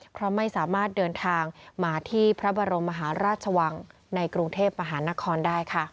เพราะไม่สามารถเดินทางมาที่พระบรมมหาราชวังในกรุงเทพมหานครได้ค่ะ